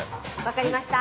わかりました。